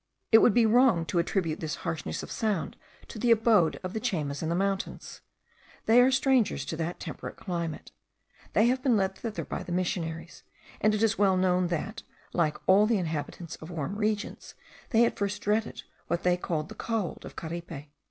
It would be wrong to attribute this harshness of sound to the abode of the Chaymas in the mountains. They are strangers to that temperate climate. They have been led thither by the missionaries; and it is well known that, like all the inhabitants of warm regions, they at first dreaded what they called the cold of Caripe.